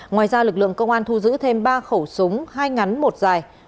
ngoài ra lực lượng công an thu giữ thêm ba khẩu súng hai ngắn một dài